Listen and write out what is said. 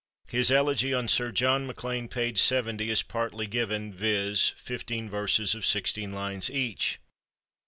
His elegy on Sir John MacLean (p. 7(») is partly given, viz., fifteen verses of sixteen lines each.